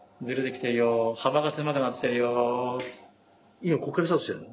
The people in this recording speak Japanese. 今ここからスタートしてんの？